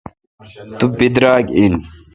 تو بدراگ این۔